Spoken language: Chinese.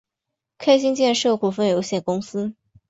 开心建设股份有限公司